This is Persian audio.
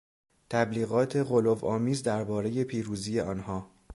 تبلیغات غلوآمیز دربارهی پیروزی آنها